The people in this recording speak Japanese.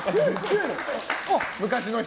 昔の人。